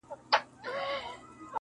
• په سپین سر ململ پر سر -